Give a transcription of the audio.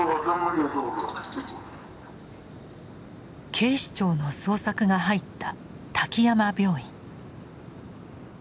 警視庁の捜索が入った滝山病院。